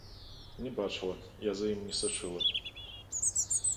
Не бачыла, я за ім не сачыла.